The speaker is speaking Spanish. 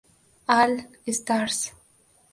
All Stars".